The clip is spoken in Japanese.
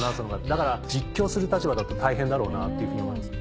だから実況する立場だと大変だろうなっていうふうに思います。